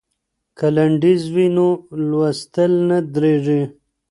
که لنډیز وي نو لوستل نه درندیږي.